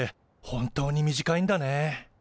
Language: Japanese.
本当に短いんだね。